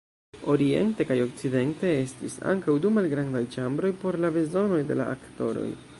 Oriente kaj okcidente estis ankaŭ du malgrandaj ĉambroj por la bezonoj de la aktoroj.